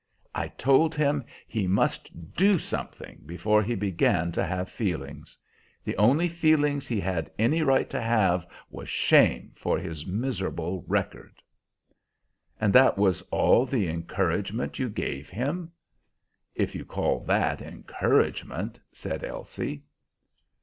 I told him he must do something before he began to have feelings. The only feeling he had any right to have was shame for his miserable record." "And that was all the encouragement you gave him?" "If you call that 'encouragement,'" said Elsie.